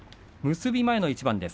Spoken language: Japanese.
結び前の一番です。